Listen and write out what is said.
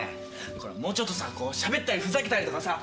もうちょっとさしゃべったりふざけたりとかさ